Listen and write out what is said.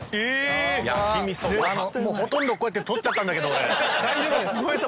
もうほとんどこうやって取っちゃったんだけど俺。